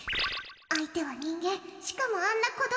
相手は人間、しかもあんな子供。